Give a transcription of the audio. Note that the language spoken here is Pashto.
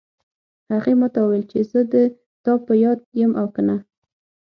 هغې ما ته وویل چې زه د تا په یاد یم او که نه